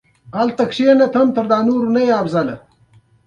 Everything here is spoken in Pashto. لرغونپوهانو ته څېړنې زمینه برابره شي.